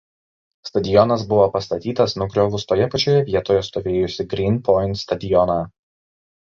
Stadionas buvo pastatytas nugriovus toje pačioje vietoje stovėjusį "Green Point" stadioną.